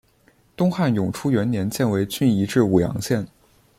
东汉永初元年犍为郡移治武阳县。